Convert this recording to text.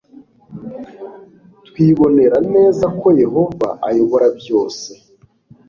twibonera neza ko yehova ayobora byose